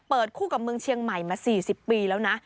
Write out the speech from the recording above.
คู่กับเมืองเชียงใหม่มา๔๐ปีแล้วนะ